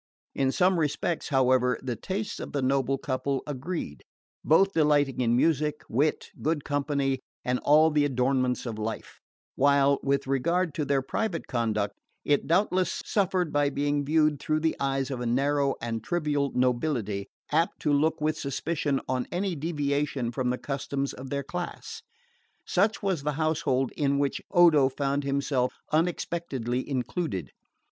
In some respects, however, the tastes of the noble couple agreed, both delighting in music, wit, good company, and all the adornments of life; while, with regard to their private conduct, it doubtless suffered by being viewed through the eyes of a narrow and trivial nobility, apt to look with suspicion on any deviation from the customs of their class. Such was the household in which Odo found himself unexpectedly included.